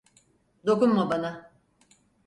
Dokunma bana.